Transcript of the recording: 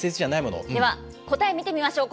では、答え見てみましょう。